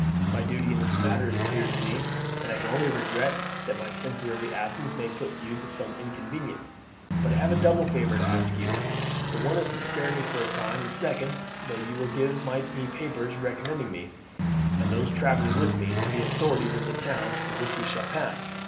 My duty in this matter is clear to me, and I can only regret that my temporary absence may put you to some inconvenience. But I have a double favour to ask you: the one is to spare me for a time; the second, that you will give me papers recommending me, and those travelling with me, to the authorities of the towns through which we shall pass.